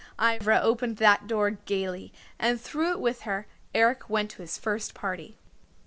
Ivra opened that door gayly, and through it with her, Eric went to his first party.